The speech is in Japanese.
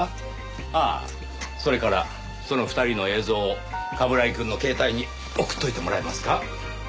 ああそれからその２人の映像を冠城くんの携帯に送っておいてもらえますか？